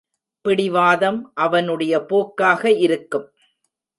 பிடிவாதம் அவனுடைய போக்காக இருக்கும்.